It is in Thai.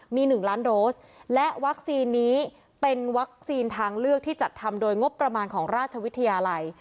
มี๑ล้านโดสและวัคซีนนี้เป็นวัคซีนทางเลือกที่จัดทำโดยงบประมาณของราชวิทยาลัย